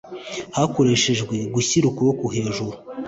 hakoreshejwe gushyira ukuboko hejuru